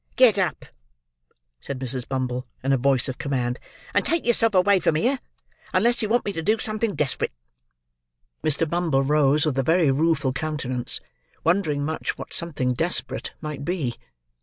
"Get up!" said Mrs. Bumble, in a voice of command. "And take yourself away from here, unless you want me to do something desperate." Mr. Bumble rose with a very rueful countenance: wondering much what something desperate might be.